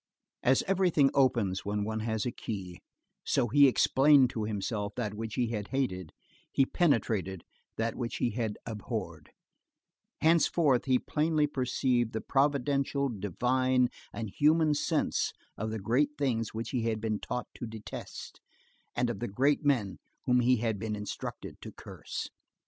As everything opens when one has a key, so he explained to himself that which he had hated, he penetrated that which he had abhorred; henceforth he plainly perceived the providential, divine and human sense of the great things which he had been taught to detest, and of the great men whom he had been instructed to curse.